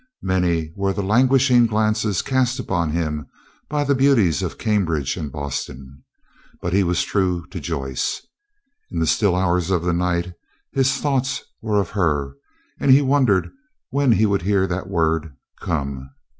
Many were the languishing glances cast upon him by the beauties of Cambridge and Boston, but he was true to Joyce. In the still hours of the night his thoughts were of her, and he wondered when he would hear that word "Come."